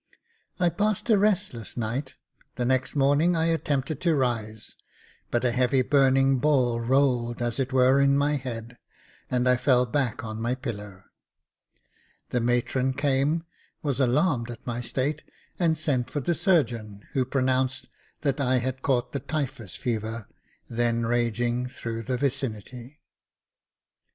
I passed a restless night ; the next morning I attempted to rise, but a heavy burning ball rolled as it were in my head, and I fell back on my pillow. The matron came, was alarmed at my state, and sent for the surgeon, who pronounced that I had caught the typhus fever, then raging through the vicinity.